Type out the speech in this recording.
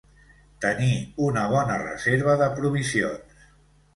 Tenir una bona reserva de provisions.